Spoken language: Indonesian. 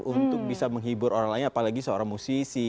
untuk bisa menghibur orang lain apalagi seorang musisi